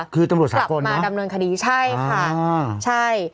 คือตำรวจสาปนเนอะใช่ค่ะใช่